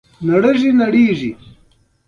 د لمر له مستقیمو وړانګو څخه په دې توګه په امن کې وي.